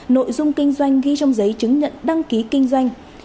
nội dung kinh doanh ghi trong giấy chứng nhận đăng ký kinh doanh